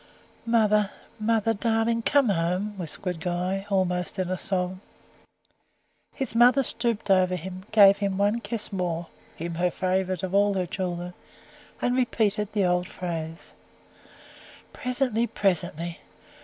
"Mother! mother darling! come home," whispered Guy, almost in a sob. His mother stooped over him, gave him one kiss more him her favourite of all her children and repeated the old phrase: "Presently, presently!